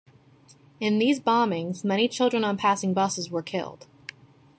In these bombings, many children on passing buses were killed.